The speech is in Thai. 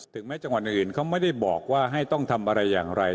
แม้จังหวัดอื่นเขาไม่ได้บอกว่าให้ต้องทำอะไรอย่างไร